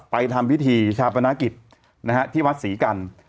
ไปทามพิธีชาติบนศากิจนะฮะที่วัดศรีกัณฑ์